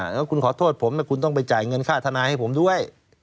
แล้วคุณขอโทษผมคุณต้องไปจ่ายเงินค่าทนายให้ผมด้วย